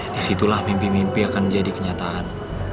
di situlah mimpi mimpi akan jadi kenyataan